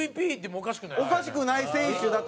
おかしくない選手だと思う。